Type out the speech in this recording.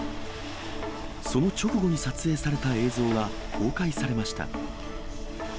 その直後に撮影された映像が公開されました。